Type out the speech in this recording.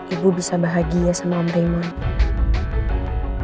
ibu bisa bahagia sama om raymond